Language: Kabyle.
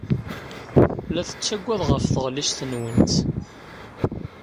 La tettaggad ɣef tɣellist-nwent.